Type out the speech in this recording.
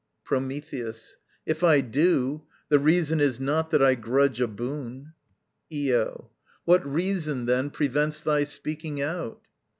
Prometheus. If I do, The reason is not that I grudge a boon. Io. What reason, then, prevents thy speaking out?